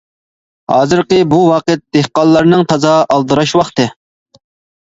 ھازىرقى بۇ ۋاقىت دېھقانلارنىڭ تازا ئالدىراش ۋاقتى.